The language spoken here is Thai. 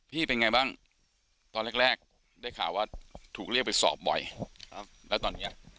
เป็นไงบ้างตอนแรกแรกได้ข่าวว่าถูกเรียกไปสอบบ่อยแล้วตอนเนี้ย